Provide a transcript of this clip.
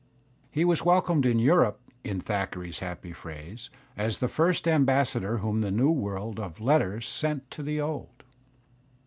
He was welcomed in Europe, in Thackeray's happy phrase, as the " first ambassador whom the New World of Letters sent to the Old."